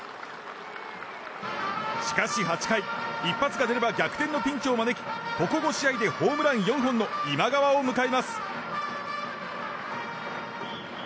しかし８回、一発が出れば逆転のピンチを招きここ５試合でホームラン４本の今川を迎えます。